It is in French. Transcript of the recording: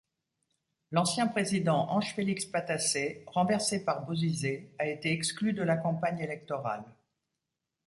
L'ancien président Ange-Félix Patassé, renversé par Bozizé, a été exclu de la campagne électorale.